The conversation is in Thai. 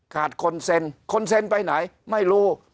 ขาดคอนเซ็นต์คอนเซ็นต์ไปไหนไม่รู้